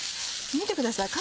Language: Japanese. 見てください